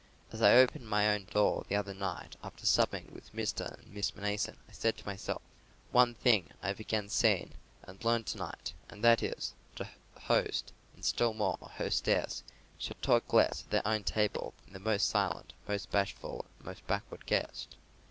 As I opened my own door the other night after supping with Mr. and Miss Mnason, I said to myself One thing I have again seen and learned to night, and that is, that a host, and still more a hostess, should talk less at their own table than their most silent, most bashful, and most backward guest.